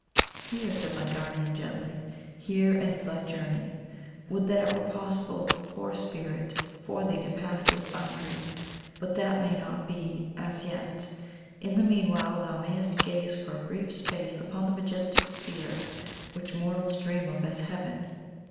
"Here," said my guardian gently "here ends thy journey. Would that it were possible, poor Spirit, for thee to pass this boundary! But that may not be as yet. In the meanwhile thou mayest gaze for a brief space upon the majestic sphere which mortals dream of as Heaven.